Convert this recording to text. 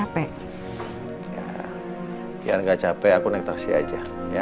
biar gak capek aku naik taksi aja